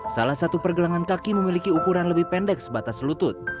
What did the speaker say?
salah satu pergelangan kaki memiliki ukuran lebih pendek sebatas lutut